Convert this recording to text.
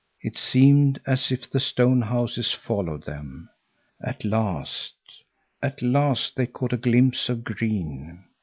It seemed as if the stone houses followed them. At last, at last they caught a glimpse of green.